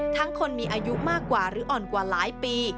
ทั้งคนมีอายุมากกว่าหรืออ่อนกว่าหลายปี